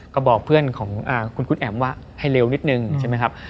ก็บอกเพื่อนของคุณแอ๋มว่าให้เร็วนิดนึงใช่ไหมครับ